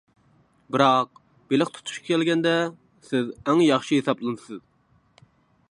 -بىراق، بېلىق تۇتۇشقا كەلگەندە، سىز ئەڭ ياخشى ھېسابلىنىسىز.